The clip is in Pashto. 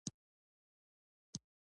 طالبانو ته هم تلفات رسېدلي وي.